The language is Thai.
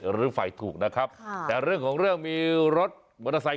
หรือฝ่ายถูกนะครับค่ะแต่เรื่องของเรื่องมีรถมอเตอร์ไซค์